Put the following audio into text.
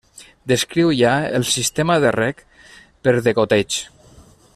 Descriu ja el sistema de reg per degoteig.